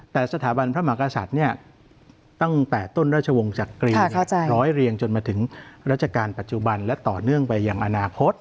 แต่สถาบันพระมหากษัตริย์เนี่ยตั้งแต่ต้นราชวงศ์จักรีร้อยเรียงจนมาถึงราชการปัจจุบันและต่อเนื่องไปอย่างอนาคต